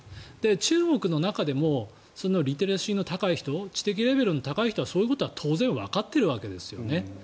中国の中でもリテラシーの高い人知的レベルの高い人はそういうことは当然わかっているわけですよね。